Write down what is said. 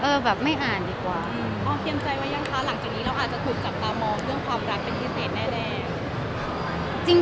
อ้อมเตรียมใจไว้ยังคะหลังจากนี้เราอาจจะถูกจับตามองเรื่องความรักเป็นพิเศษแน่